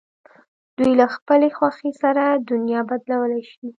دوی له خپلې خوښې سره دنیا بدلولای شي.